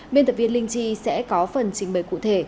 biên tập viên linh chi sẽ có phần trình bày cụ thể